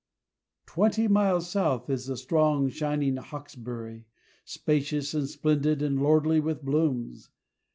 Twenty miles south is the strong, shining Hawkesbury Spacious and splendid, and lordly with blooms.